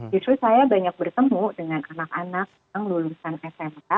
justru saya banyak bertemu dengan anak anak yang lulusan smk